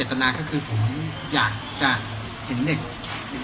เห็นของเฟ้อนักไม่มีดาว